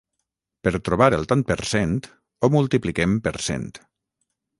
Per trobar el tant per cent, ho multipliquem per cent.